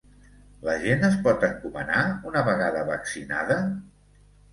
La gent es pot encomanar una vegada vaccinada?